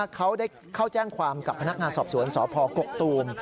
เขาได้เข้าแจ้งความกับพนักงานสอบสวนสพกกตูม